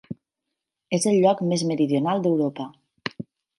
És el lloc més meridional d'Europa.